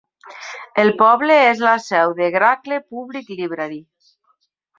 El poble és la seu de la Gackle Public Library.